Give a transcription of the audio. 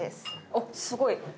あっすごい。